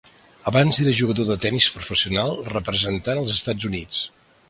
Abans era jugador de tenis professional representant els Estats Units.